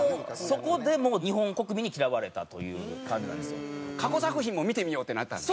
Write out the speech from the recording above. そこで日本国民に嫌われたという感じなんですよ。ってなったんだ。